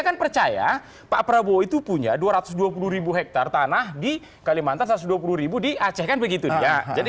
kan percaya pak prabowo itu punya dua ratus dua puluh hektare tanah di kalimantan satu ratus dua puluh di aceh kan begitu dia jadi